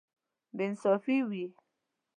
بې انصافي وي.